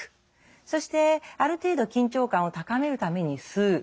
そしてある程度緊張感を高めるために吸う。